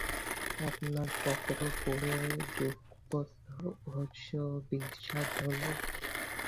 আপনার পত্র পড়ে যুগপৎ হর্ষ ও বিষাদ হল।